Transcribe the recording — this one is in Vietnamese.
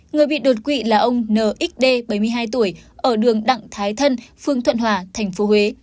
người bị đột quỵ là ông nxd bảy mươi hai tuổi ở đường đặng thái thân phương thuận hòa tp huế